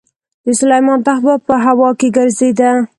د سلیمان تخت به په هوا کې ګرځېده.